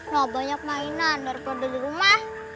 wah banyak mainan daripada di rumah